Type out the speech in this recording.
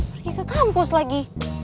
pergi ke kampus lagi